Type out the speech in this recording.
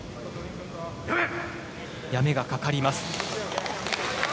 やめがかかります。